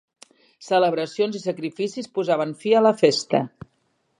Celebracions i sacrificis posaven fi a la festa.